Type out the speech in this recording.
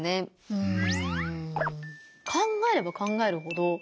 うん。